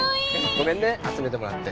ごめんね集めてもらって。